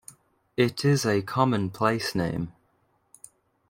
It is a common place name.